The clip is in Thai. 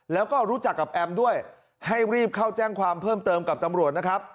แล้วก็รู้จักกับแอมด้วยให้รีบเข้าแจ้งความเพิ่มเติมกับตำรวจนะครับ